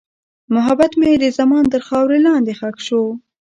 محبت مې د زمان تر خاورې لاندې ښخ شو.